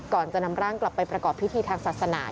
ก่อนจะนำร่างกลับไปประกอบพิธีทางศาสนา